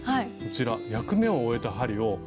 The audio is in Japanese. こちら役目を終えた針を。